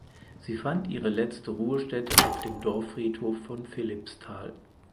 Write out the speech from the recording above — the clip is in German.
Sie fand ihre letzte Ruhestätte auf dem Dorffriedhof von Philippsthal.